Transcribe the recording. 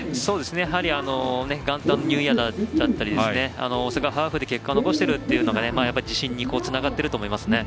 やはり、元旦のニューイヤーだったり大阪ハーフで結果を残しているっていうのが自信につながってると思いますね。